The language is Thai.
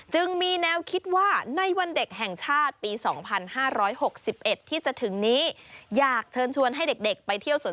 จึงมีแนวคิดว่าในวันเด็กแห่งชาติปี๒๕๖๑ที่จะถึงนี้